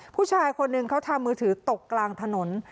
ผู้ชายคนหนึ่งเขาทำมือถือตกกลางถนน